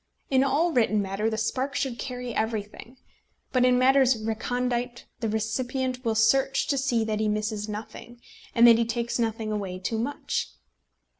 In all written matter the spark should carry everything; but in matters recondite the recipient will search to see that he misses nothing, and that he takes nothing away too much.